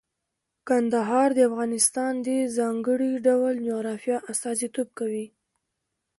کندهار د افغانستان د ځانګړي ډول جغرافیه استازیتوب کوي.